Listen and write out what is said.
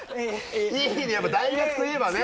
やっぱ大学といえばね。